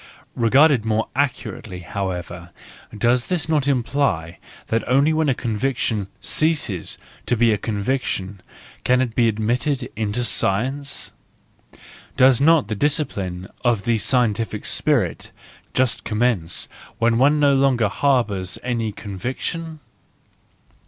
—Regarded more accurately, however, does not this imply that only when a conviction ceases to be a conviction can it obtain admission into science? Does not the discipline of the scientific spirit just commence when one no longer harbours any conviction